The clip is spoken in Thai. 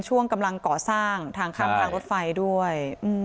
ช่วงกำลังก่อสร้างทางข้ามทางรถไฟด้วย